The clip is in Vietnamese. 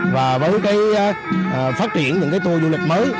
và với phát triển những tour du lịch mới